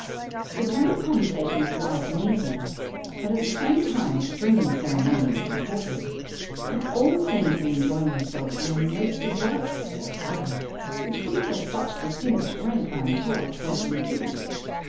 The tone of conversation was light and easy, but at the same time extremely ceremonious and courtly, and all seemed to be enjoying themselves in the most delightful sort of a way, which people of, such distinguished rank, I am told, seldom do.